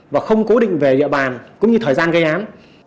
và không cố định về địa bàn cũng như thời gian gây án